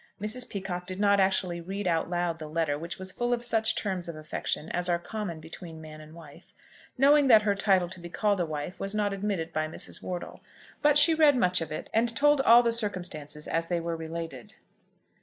Mrs. Peacocke did not actually read out loud the letter, which was full of such terms of affection as are common between man and wife, knowing that her title to be called a wife was not admitted by Mrs. Wortle; but she read much of it, and told all the circumstances as they were related.